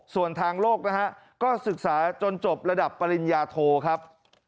ส่วนทางโลกนะฮะก็ศึกษาจนจบระดับปริญญาโทครับ